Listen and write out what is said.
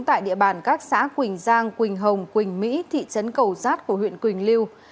tại địa bàn các xã quỳnh giang quỳnh hồng quỳnh mỹ thị trấn cầu giát của huyện quỳnh lưu